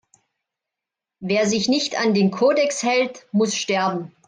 Wer sich nicht an den Kodex hält, muss sterben!